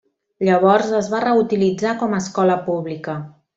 Llavors, es va reutilitzar com a escola pública.